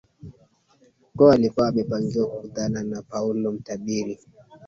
go alikuwa amepangiwa kukutana na paul mtabiri